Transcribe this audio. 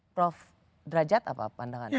prof drajat apa pandangannya